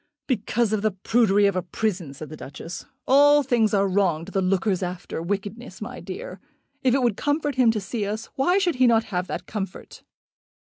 "Because of the prudery of a prison," said the Duchess. "All things are wrong to the lookers after wickedness, my dear. If it would comfort him to see us, why should he not have that comfort?"